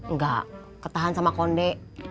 nggak ketahan sama konde